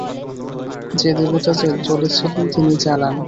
যে দেবতা জ্বলেছিলেন তিনি জ্বালান।